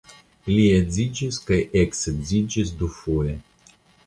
Li edziĝis kaj eksedziĝis dufoje.